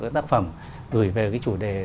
tác phẩm gửi về cái chủ đề